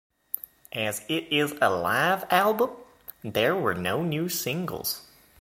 As it is a live album, there were no new singles.